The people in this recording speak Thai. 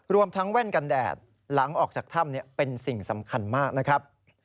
รวมทั้งแว่นกันแดดหลังออกจากถ้ำเป็นสิ่งสำคัญมากนะครับ